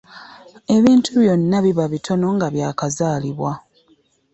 Ebintu byonna biba bitono nga byakazalibwa .